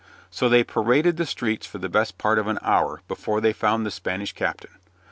So they paraded the streets for the best part of an hour before they found the Spanish captain.